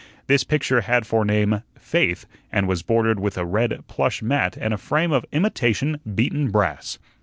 This picture had for name, "Faith," and was bordered with a red plush mat and a frame of imitation beaten brass.